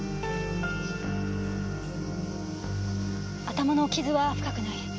頭の傷は深くない。